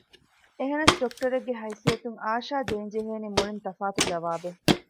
އެހެނަސް ޑޮކްޓަރެއްގެ ހައިސިއްޔަތުން އާޝާ ދޭން ޖެހޭނީ މުޅިން ތަފާތު ޖަވާބެއް